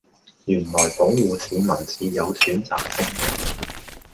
原來保謢市民是有選擇性的